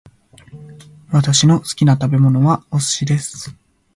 私の好きな食べ物はお寿司です